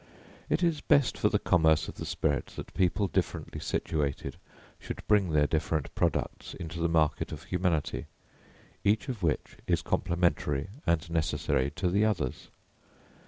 It is best for the commerce of the spirit that people differently situated should bring their different products into the market of humanity, each of which is complementary and necessary to the others.